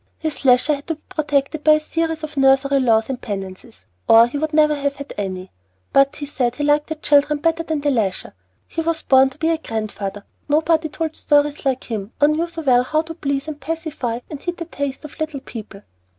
His leisure had to be protected by a series of nursery laws and penances, or he would never have had any; but he said he liked the children better than the leisure. He was born to be a grandfather; nobody told stories like him, or knew so well how to please and pacify and hit the taste of little people.